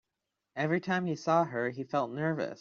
Every time he saw her, he felt nervous.